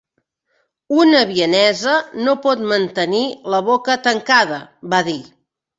"Una vienesa no pot mantenir la boca tancada", va dir.